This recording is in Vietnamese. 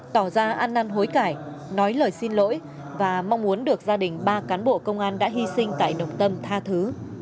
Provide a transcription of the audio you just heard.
tỏ ra ăn năn hối cải nói lời xin lỗi và mong muốn được gia đình ba cán bộ công an đã hy sinh tại độc tâm tha thứ